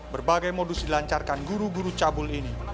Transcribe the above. berbagai modus dilancarkan guru guru cabul ini